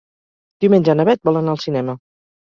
Diumenge na Beth vol anar al cinema.